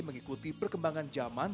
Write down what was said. mengikuti perkembangan zaman